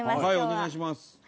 お願いします。